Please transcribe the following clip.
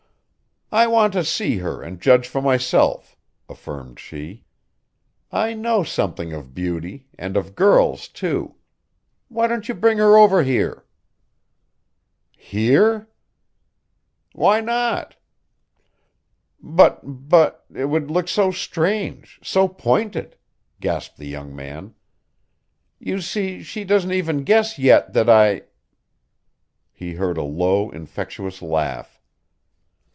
"I want to see her and judge for myself," affirmed she. "I know something of beauty and of girls, too. Why don't you bring her over here?" "Here?" "Why not?" "But but it would look so strange, so pointed," gasped the young man. "You see she doesn't even guess yet that I " He heard a low, infectious laugh.